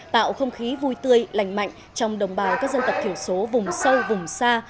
tạo không khí vui tươi lành mạnh trong đồng bào các dân tộc thiểu số vùng sâu vùng xa